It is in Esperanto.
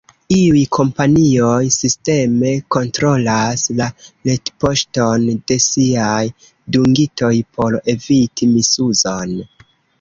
Iuj kompanioj sisteme kontrolas la retpoŝton de siaj dungitoj por eviti misuzon.